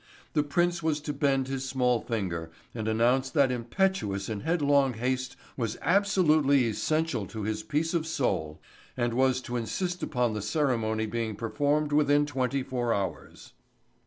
The prince was to bend his small finger and announce that impetuous and headlong haste was absolutely essential to his peace of soul and was to insist upon the ceremony being performed within twenty four hours.